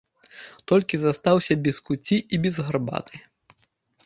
Толькі застаўся без куцці і без гарбаты.